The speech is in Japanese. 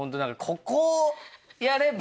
ここをやれば。